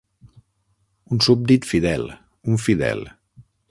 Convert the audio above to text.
Un súbdit fidel, un fidel.